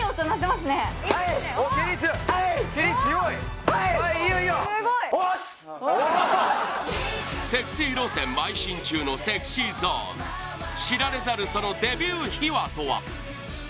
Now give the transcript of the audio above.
すごいセクシー路線邁進中のＳｅｘｙＺｏｎｅ知られざるそのデビュー秘話とは？